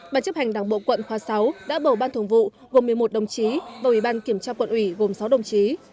bản chấp hành đảng bộ quận khoa sáu đã bầu ban thường vụ gồm một mươi một đồng chí và ủy ban kiểm tra quận ủy gồm sáu đồng chí